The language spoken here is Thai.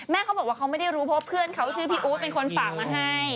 เขาบอกว่าเขาไม่ได้รู้เพราะเพื่อนเขาชื่อพี่อู๊ดเป็นคนฝากมาให้